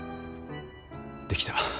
できた。